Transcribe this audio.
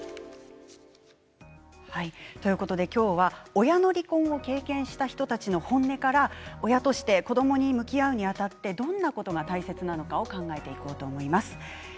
今日は親の離婚を経験した人たちの本音から親として子どもに向き合うにあたってどんなことが大切なのかを考えていこうと思います。